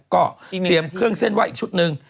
ก็เตรียมเครื่องเส้นไหว้อีกชุดหนึ่ง